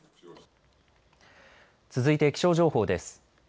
続いて気象情報です。